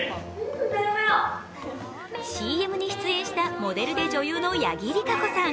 ＣＭに出演したモデルで女優の八木莉可子さん。